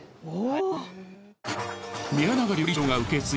お。